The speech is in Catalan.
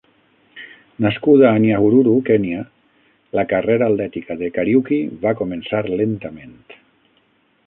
Nascuda a Nyahururu, Kenya, la carrera atlètica de Kariuki va començar lentament.